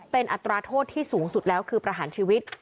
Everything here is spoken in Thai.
เป็นอัตราโทษที่สูงสุดแล้วคือประหารชีวิต